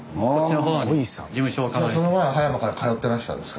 その前は葉山から通ってらしたんですか？